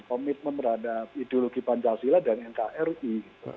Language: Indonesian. komitmen terhadap ideologi pancasila dan nkri